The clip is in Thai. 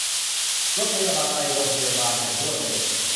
รถพยาบาลไปโรงพยาบาลอย่างรวดเร็ว